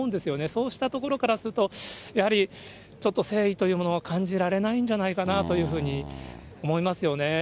そうしたところからすると、やはり、ちょっと誠意というものが感じられないんじゃないかなというふうに思いますよね。